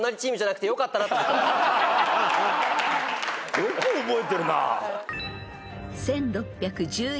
よく覚えてるな。